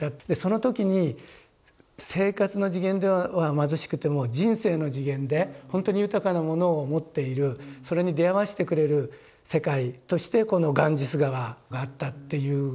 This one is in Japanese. でその時に生活の次元では貧しくても人生の次元でほんとに豊かなものを持っているそれに出会わしてくれる世界としてこのガンジス河があったっていう。